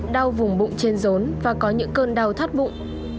đau vùng bụng trên rốn và có những cơn đau thắt bụng